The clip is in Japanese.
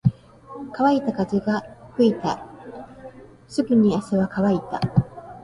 乾いた風が吹いていた。すぐに汗は乾いた。